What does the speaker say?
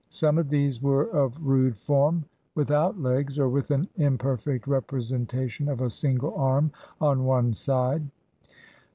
Some of these were of rude form, with out legs, or with an imperfect representation of a single arm on one side.